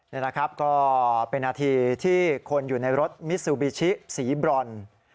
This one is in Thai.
นี่นะครับก็เป็นนาทีที่คนอยู่ในรถมิซูบิชิสีบรอน